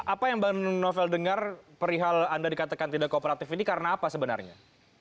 apa yang bang novel dengar perihal anda dikatakan tidak kooperatif ini karena apa sebenarnya